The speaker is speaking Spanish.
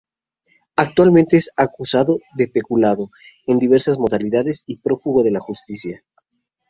Actualmente es acusado de peculado en diversas modalidades y es prófugo de la justicia.